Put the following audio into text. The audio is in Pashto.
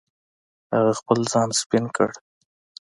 هغه خپل ځان سپین کړ.